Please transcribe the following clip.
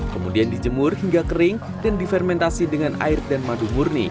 kemudian dijemur hingga kering dan difermentasi dengan air dan madu murni